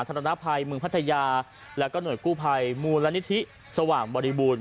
ธนภัยเมืองพัทยาแล้วก็หน่วยกู้ภัยมูลนิธิสว่างบริบูรณ